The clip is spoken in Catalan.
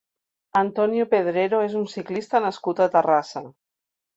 Antonio Pedrero és un ciclista nascut a Terrassa.